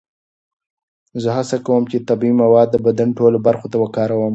زه هڅه کوم چې طبیعي مواد د بدن ټولو برخو ته وکاروم.